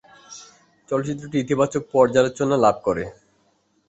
চলচ্চিত্রটি ইতিবাচক পর্যালোচনা লাভ করে।